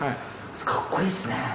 かっこいいっすね。